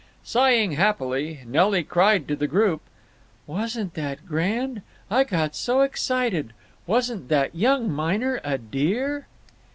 Sighing happily, Nelly cried to the group: "Wasn't that grand? I got so excited! Wasn't that young miner a dear?"